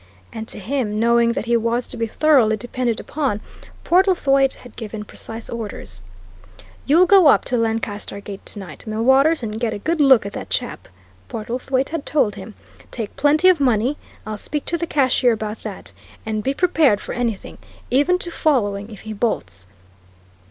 And to him, knowing that he was to be thoroughly depended upon, Portlethwaite had given precise orders. "You'll go up to Lancaster Gate tonight, Millwaters, and get a good look at that chap," Portlethwaite had told him. "Take plenty of money I'll speak to the cashier about that and be prepared for anything, even to following, if he bolts.